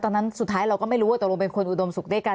ตอนนั้นสุดท้ายเราก็ไม่รู้ว่าตัวโรงเป็นคนอุดมสุขด้วยกัน